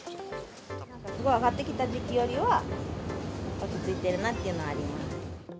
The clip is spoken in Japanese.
すごい上がってきた時期よりは落ち着いてるなっていうのはあります。